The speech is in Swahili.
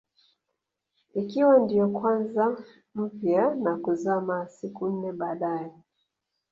Ikiwa ndio kwanza mpya na kuzama siku nne baadae